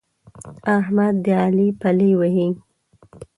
احمد د علي پلې وهي.